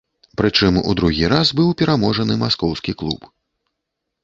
Прычым, у другі раз быў пераможаны маскоўскі клуб.